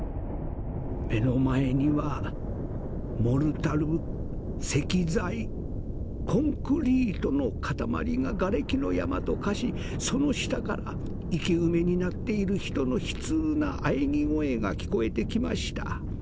目の前にはモルタル石材コンクリートの塊ががれきの山と化しその下から生き埋めになっている人の悲痛なあえぎ声が聞こえてきました。